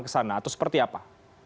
ke sana atau seperti apa